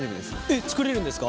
えっ作れるんですか？